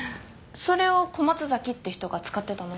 それを小松崎って人が使ってたの？